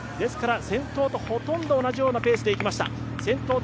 先頭とほとんど同じようなペースでいきました。